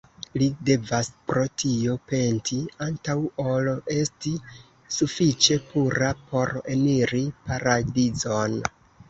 Li devas pro tio penti, antaŭ ol esti sufiĉe pura por eniri Paradizon.